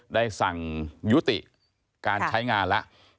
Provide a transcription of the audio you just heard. ได้สั่งยุติการใช้งานแล้ว